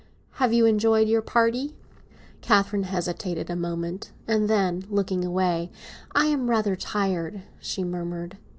Have you enjoyed your party?" Catherine hesitated a moment; and then, looking away, "I am rather tired," she murmured.